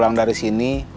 pulang dari sini